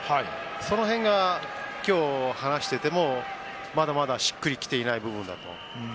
その辺が今日、話していてもまだしっくりきていないと。